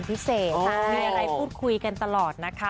พิเศษมีอะไรพูดคุยกันตลอดนะคะ